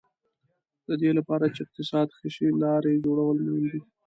د دې لپاره چې اقتصاد ښه شي لارې جوړول مهم دي.